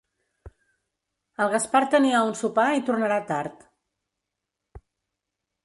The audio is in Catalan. El Gaspar tenia un sopar i tornarà tard.